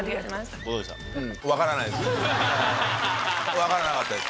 分からなかったです。